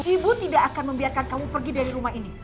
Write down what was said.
ibu tidak akan membiarkan kamu pergi dari rumah ini